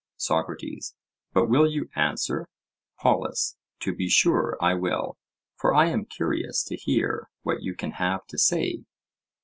SOCRATES: But will you answer? POLUS: To be sure, I will; for I am curious to hear what you can have to say.